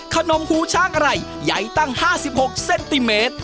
หูช้างอะไรใหญ่ตั้ง๕๖เซนติเมตร